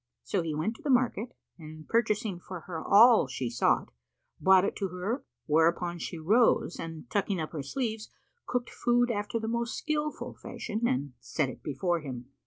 So he went to the market and purchasing for her all she sought, brought it to her, whereupon she rose and tucking up her sleeves, cooked food after the most skilful fashion, and set it before him.